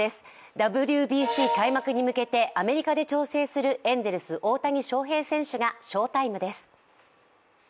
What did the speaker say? ＷＢＣ開幕に向けてアメリカで調整するエンゼルス・大谷翔平選手が翔タイムです。